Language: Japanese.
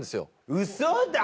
ウソだよ！